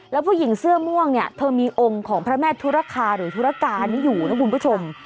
แล้วผู้หญิงเสื้อม่วงเนี่ยเธอมีองค์ของพระแม่ธุรคาหรือธุรการนี้อยู่นะคุณผู้ชม